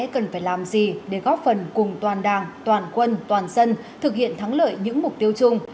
cần phải làm gì để góp phần cùng toàn đảng toàn quân toàn dân thực hiện thắng lợi những mục tiêu chung